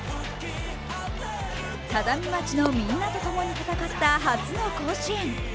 只見町のみんなとともに戦った初の甲子園。